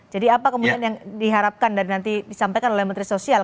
jadi apa kemudian yang diharapkan dari nanti disampaikan oleh menteri sosial